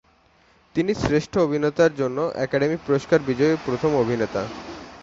তিনি শ্রেষ্ঠ অভিনেতার জন্য একাডেমি পুরস্কার বিজয়ী প্রথম অভিনেতা।